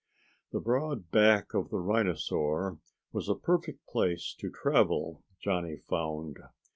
The broad back of the rhinosaur was a perfect place to travel, Johnny found.